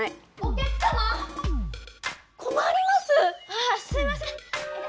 ああすいません！